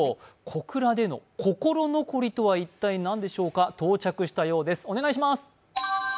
小倉での心残りとは一体何でしょうか、到着したようです。